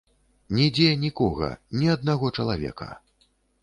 Нідзе нікога, ні аднаго чалавека.